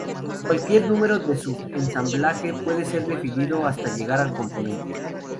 Cualquier número de sub-ensamblaje puede ser definido hasta llegar al componente.